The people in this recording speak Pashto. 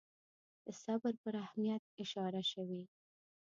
د صبر پر اهمیت اشاره شوې.